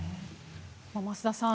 増田さん